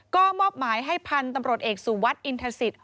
ก็มอบหมายให้พันธุ์ตำรวจเอกสุวัสดิอินทศิษย